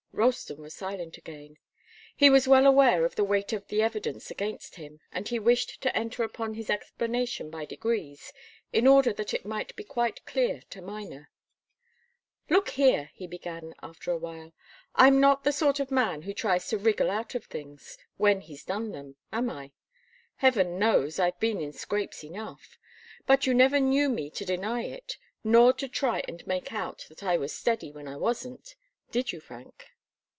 Ralston was silent again. He was well aware of the weight of the evidence against him, and he wished to enter upon his explanation by degrees, in order that it might be quite clear to Miner. "Look here," he began, after a while. "I'm not the sort of man who tries to wriggle out of things, when he's done them, am I? Heaven knows I've been in scrapes enough! But you never knew me to deny it, nor to try and make out that I was steady when I wasn't. Did you, Frank?"